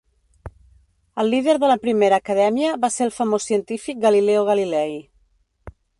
El líder de la primera acadèmia va ser el famós científic Galileo Galilei.